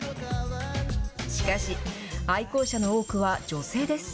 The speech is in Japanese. しかし愛好者の多くは女性です。